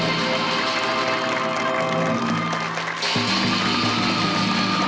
วันนี้ข้ามาขอยืมของสำคัญ